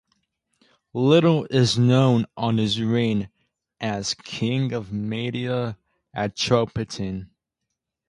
Little is known on his reign as King of Media Atropatene.